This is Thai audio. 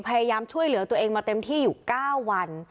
พยายามช่วยเหลือตัวเองมาเต็มที่อยู่๙วัน